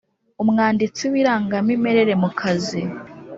Umwanditsi w irangamimerere mu kazi